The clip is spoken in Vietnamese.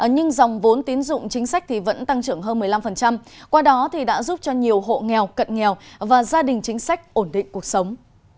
nhưng dòng vốn tín dụng chính sách vẫn tăng trưởng hơn một mươi năm qua đó đã giúp cho nhiều hộ nghèo cận nghèo và gia đình chính sách ổn định cuộc sống